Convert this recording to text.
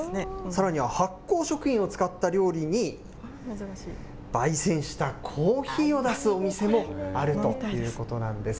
さらには発酵食品を使った料理に、ばいせんしたコーヒーを出すお店もあるということなんです。